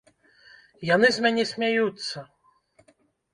Яны з мяне смяюцца.